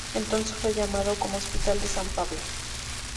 Entonces fue llamado como Hospital de San Pablo.